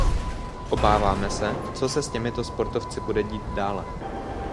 Obáváme se, co se s těmito sportovci bude dít dále.